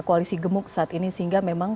koalisi gemuk saat ini sehingga memang